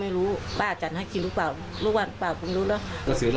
ไม่เศร้าว่าในแม็กซ์ได้ทานยาทุกวันหรือเปล่าเนี่ยนะคะ